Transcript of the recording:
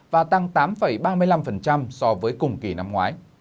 và tăng tám ba mươi năm so với cùng kỳ năm ngoái